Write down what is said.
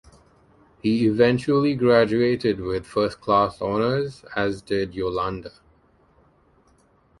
He eventually graduated with first-class honours, as did Yolande.